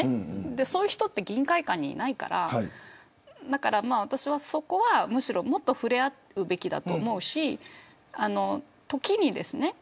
そういう人って議員会館にいないからそこは、むしろもっと触れ合うべきだと思うし時にですね